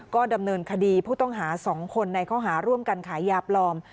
ก็ดำเนินคดีผู้ต้องหา๒คนในข้อหาร่วมกันขายยาปลอม